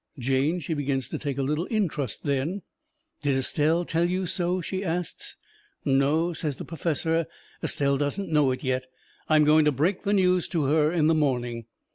Jane, she begins to take a little intrust then. "Did Estelle tell you so?" she asts. "No," says the perfessor. "Estelle doesn't know it yet. I'm going to break the news to her in the morning."